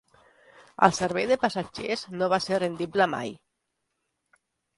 El servei de passatgers no va ser rendible mai.